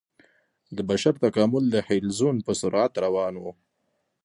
د بشر تکامل د حلزون په سرعت روان و.